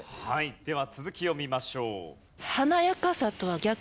では続きを見ましょう。